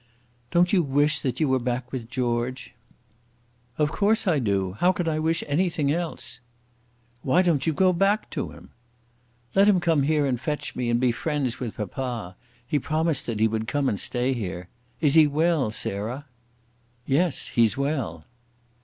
"Don't you wish that you were back with George?" "Of course I do. How can I wish anything else?" "Why don't you go back to him?" "Let him come here and fetch me, and be friends with papa. He promised that he would come and stay here. Is he well, Sarah?" "Yes; he is well."